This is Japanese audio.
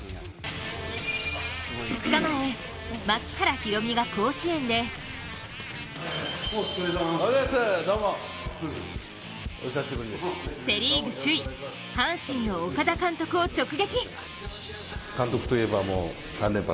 ２日前、槙原寛己が甲子園でセ・リーグ首位、阪神の岡田監督を直撃。